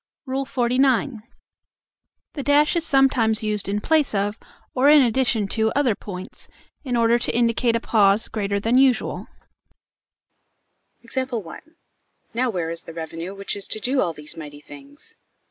_ XLIX. The dash is sometimes used in place of, or in addition to, other points, in order to indicate a pause greater than usual. Now where is the revenue which is to do all these mighty things?